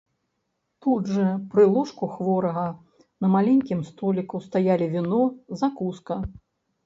Тут жа пры ложку хворага на маленькім століку стаялі віно, закуска.